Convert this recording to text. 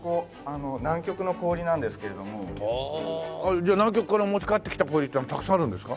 じゃあ南極から持ち帰ってきた氷っていうのはたくさんあるんですか？